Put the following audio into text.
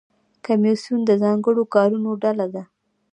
کمیسیون د ځانګړو کارونو ډله ده